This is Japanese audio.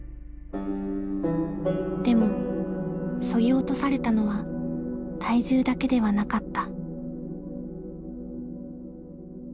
でもそぎ落とされたのは体重だけではなかった。